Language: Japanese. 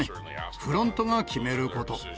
フロントが決めること。